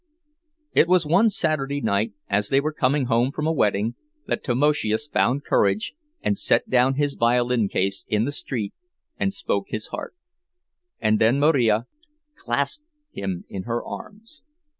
It was one Saturday night, as they were coming home from a wedding, that Tamoszius found courage, and set down his violin case in the street and spoke his heart; and then Marija clasped him in her arms.